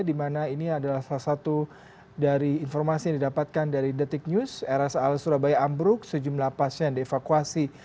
di mana ini adalah salah satu dari informasi yang didapatkan dari detik news rsal surabaya ambruk sejumlah pasien dievakuasi